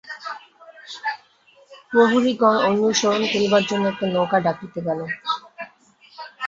প্রহরীগণ অনুসরণ করিবার জন্য একটা নৌকা ডাকিতে গেল।